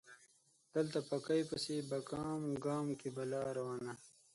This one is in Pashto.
دلته پاکۍ پسې په ګام ګام کې بلا روانه